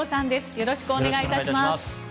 よろしくお願いします。